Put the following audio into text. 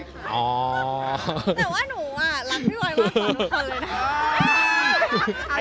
แต่ว่าหนูรักพี่บอยมากกว่าทุกคนเลยนะ